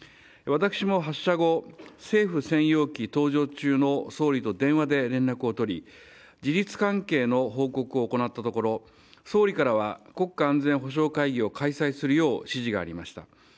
私も発射後、政府専用機搭乗中の総理と電話で連絡を取り、事実関係の報告を行ったところ、総理からは国家安全保障会議を開催するよう指示がありました。